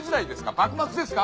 幕末ですか？